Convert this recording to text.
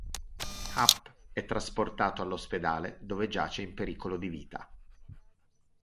Hap è trasportato all'ospedale dove giace in pericolo di vita.